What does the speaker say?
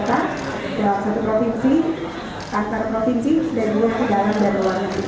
dalam satu provinsi antar provinsi dan belum ke dalam dan luar negeri